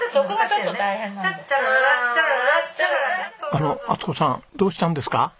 あの充子さんどうしたんですか？